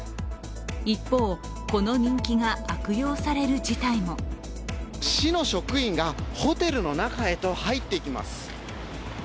一方、この人気が悪用される事態も市の職員がホテルの中へと入っていきます。